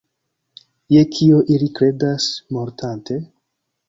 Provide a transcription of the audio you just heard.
Je kio ili kredas, mortante?